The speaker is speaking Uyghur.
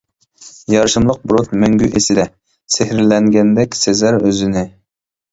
يارىشىملىق بۇرۇت مەڭگۈ ئېسىدە، سېھىرلەنگەندەك سېزەر ئۆزىنى.